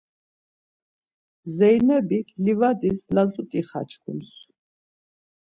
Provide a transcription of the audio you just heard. Zeynebik livadis lazut̆i xaçkums.